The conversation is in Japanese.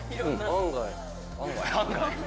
案外。